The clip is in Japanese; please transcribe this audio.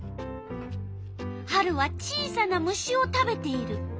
春は小さな虫を食べている。